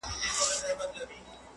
په خبرو په کیسو ورته ګویا سو٫